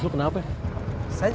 itu hero enggak ada selama banja